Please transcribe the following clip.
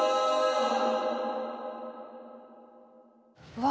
うわ。